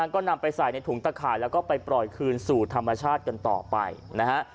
ก็นำไปใส่ในถุงตะข่ายแล้วก็ไปปล่อยคืนสู่ธรรมชาติกันต่อไปนะฮะ